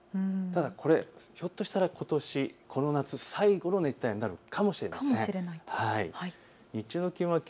ただひょっとしたらことしこの夏最後の熱帯夜になるかもしれないです。